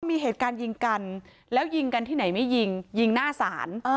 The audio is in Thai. มีเหตุการณ์ยิงกันแล้วยิงกันที่ไหนไม่ยิงยิงหน้าศาล